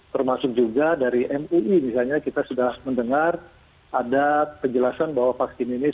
termasuk juga dari mui misalnya kita sudah mendengar ada penjelasan bahwa vaksin ini suci dan halal gitu kan